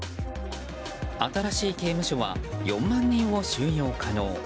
新しい刑務所は４万人を収容可能。